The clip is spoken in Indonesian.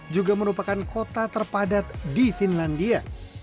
juga merupakan kota terpadat di finlandia